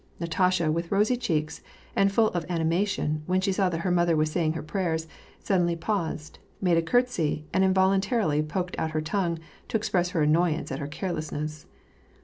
Natasha, with rosy cheeks and full of ani mation, when she saw that her mother was saying her prayers, suddenly paused, made a courtesy, and involuntarily poked out her tongue, to express her annoyance at her carelessness.